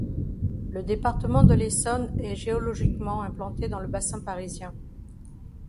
Le département de l’Essonne est géologiquement implantée dans le bassin parisien.